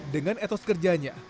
dengan etos kerjanya